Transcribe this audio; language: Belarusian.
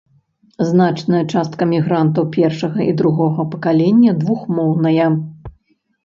Значная частка мігрантаў першага і другога пакалення двухмоўная.